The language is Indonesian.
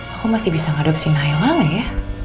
aku masih bisa ngadopsin nailah gak ya